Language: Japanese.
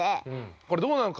これどうなのか？